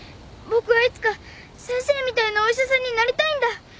僕はいつか先生みたいなお医者さんになりたいんだ。